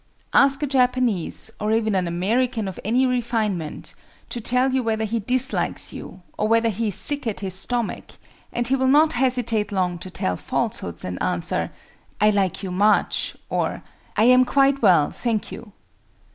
Ask a Japanese, or even an American of any refinement, to tell you whether he dislikes you or whether he is sick at his stomach, and he will not hesitate long to tell falsehoods and answer, "I like you much," or, "I am quite well, thank you."